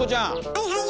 はいはい。